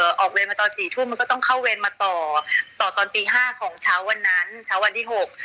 ออกเวรมาตอนสี่ทุ่มมันก็ต้องเข้าเวรมาต่อต่อตอนตีห้าของเช้าวันนั้นเช้าวันที่หก